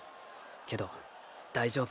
けど大丈夫。